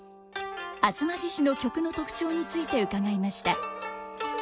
「吾妻獅子」の曲の特徴について伺いました。